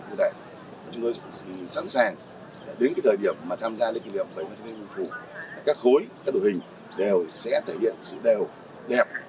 chúng tôi sẵn sàng đến cái thời điểm mà tham gia lễ kỷ niệm với nguyên phủ các khối các đội hình đều sẽ thể hiện sự đều đẹp